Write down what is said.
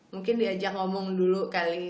mungkin diajak ngomong dulu kali